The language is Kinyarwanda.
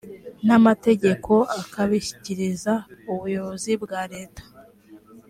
n amategeko akabishyikiriza umuyobozi wa leta